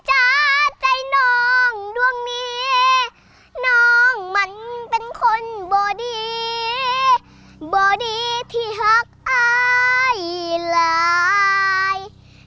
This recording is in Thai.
จ้าใจน้องดวงมีน้องมันเป็นคนบ่ดีบ่ดีที่หักอายหลาย